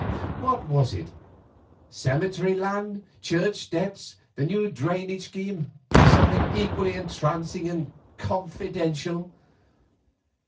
What was it? Cemetery land, church debts, the new drainage scheme, or something equally entrancing and confidential?"